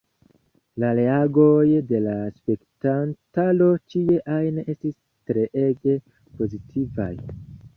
La reagoj de la spektantaro ĉie ajn estis treege pozitivaj.